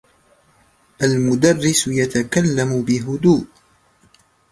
المدرس يتكلم بهدوء.